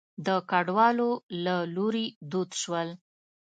د کډوالو له لوري دود شول.